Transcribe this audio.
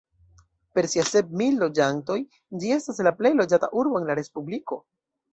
Per sia sep mil loĝantoj ĝi estas la plej loĝata urbo en la respubliko.